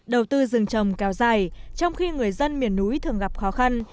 đầu tư rừng trồng kéo dài trong khi người dân miền núi thường gặp khó khăn